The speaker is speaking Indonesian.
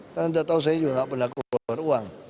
karena anda tahu saya juga nggak pernah keluar uang